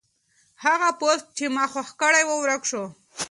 هغه پوسټ چې ما خوښ کړی و ورک شو.